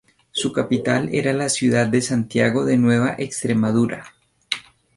Su capital era la ciudad de Santiago de Nueva Extremadura.